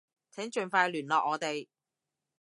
請盡快聯絡我哋